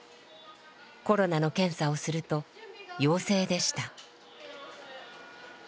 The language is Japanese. コロナの検査をすると陽性でした。